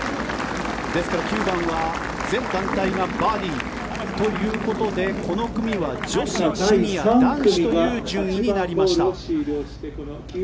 ですから、９番は全団体がバーディーということでこの組は女子、シニア、男子という順位になりました。